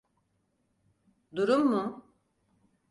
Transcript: Durum mu?